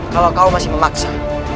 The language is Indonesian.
kalau kau masih memaksa